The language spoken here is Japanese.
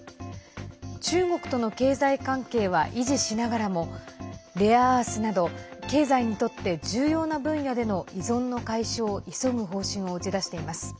中国との経済関係は維持しながらもレアアースなど経済にとって重要な分野での依存の解消を急ぐ方針を打ち出しています。